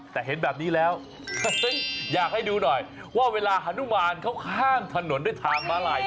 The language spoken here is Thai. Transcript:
แต่เห็นแบบนี้แล้วอยากให้ดูหน่อยว่าเวลาฮานุมานเขาข้ามถนนด้วยทางมาลัย